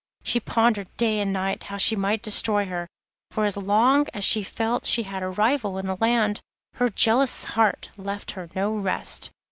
She pondered day and night how she might destroy her, for as long as she felt she had a rival in the land her jealous heart left her no rest.